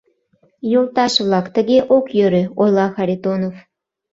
— Йолташ-влак, тыге ок йӧрӧ, — ойла Харитонов.